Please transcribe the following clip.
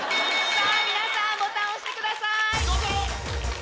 皆さんボタン押してください。